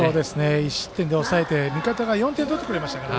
１失点で抑えて味方が４点取ってくれましたから。